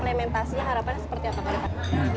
implementasi harapan seperti apa